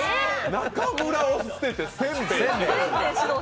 中村を捨てて、せんべい。